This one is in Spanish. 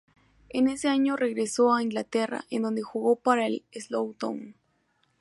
En ese año regresó a Inglaterra, en donde jugó para el Slough Town.